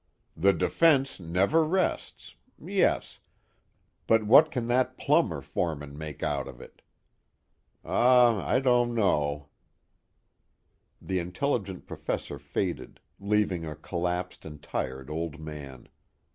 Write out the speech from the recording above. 'The defense never rests' yes, but what can that plumber foreman make out of it? Ah, I don't know...." The intelligent professor faded, leaving a collapsed and tired old man.